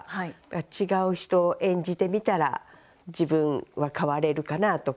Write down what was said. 違う人を演じてみたら自分は変われるかなとか。